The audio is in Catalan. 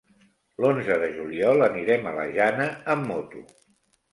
L'onze de juliol anirem a la Jana amb moto.